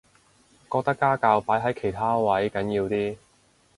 覺得家教擺喺其他位緊要啲